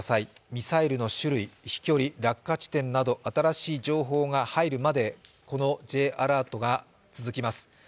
ミサイルの種類、飛距離、落下地点など新しい情報が入るまで、このＪアラートが続きます。